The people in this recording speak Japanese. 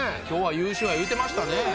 今日は優勝や言うてましたね。